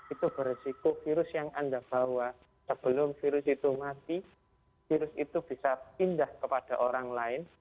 itu beresiko virus yang anda bawa sebelum virus itu mati virus itu bisa pindah kepada orang lain